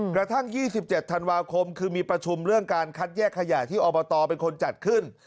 กระทั่ง๒๗ธันวาคมคือมีประชุมเรื่องการคัดแยกขยะที่อบตเป็นคนจัดขึ้น